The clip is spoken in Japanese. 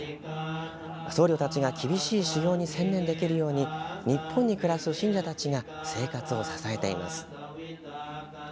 僧侶が厳しい修行に専念できるように日本に暮らす信者たちが生活を支えています。